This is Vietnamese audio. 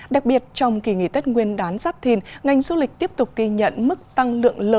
đặc biệt trong kỳ nghỉ tết nguyên đán giáp thìn ngành du lịch tiếp tục ghi nhận mức tăng lượng lớn